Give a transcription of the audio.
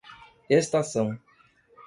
Estação